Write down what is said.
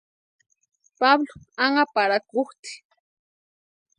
Pablu anhaparhakutʼi.